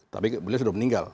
tapi beliau sudah meninggal